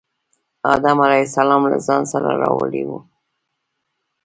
آدم علیه السلام له ځان سره راوړی و.